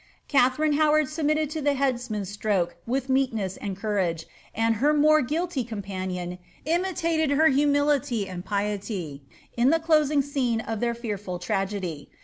Katharine Howard submitted to the headsman's stroke with medLMH and couiage, and her more guilty companion imitated her humility led piety in the closing scene of their fearful tragedy.